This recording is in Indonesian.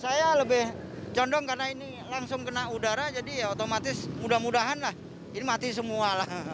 saya lebih condong karena ini langsung kena udara jadi ya otomatis mudah mudahan lah ini mati semua lah